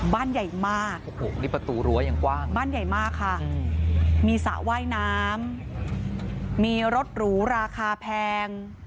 บ้านใหญ่มากบ้านใหญ่มากค่ะมีสระว่ายน้ำมีรถหรูราคาแพง